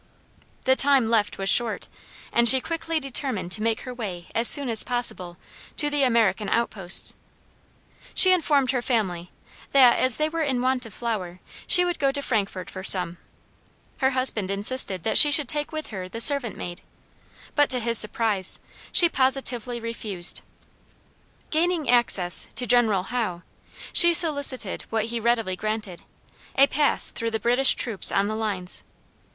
The time left was short, and she quickly determined to make her way as soon as possible, to the American outposts. She informed her family, that, as they were in want of flour, she would go to Frankfort for some; her husband insisted that she should take with her the servant maid; but, to his surprise, she positively refused. Gaining access to General Howe, she solicited what he readily granted a pass through the British troops on the lines.